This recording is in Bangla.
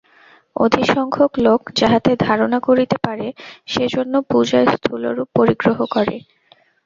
অধিকসংখ্যক লোক যাহাতে ধারণা করিতে পারে, সে-জন্য পূজা স্থূল রূপ পরিগ্রহ করে।